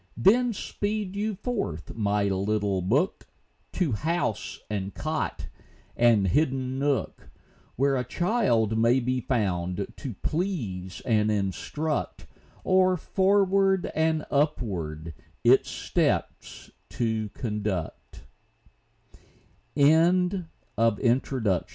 Then speed you forth, my little book, To house, and cot, and hidden nook, Where a child may be found to please and instruct, Or forward and upward its steps to conduct.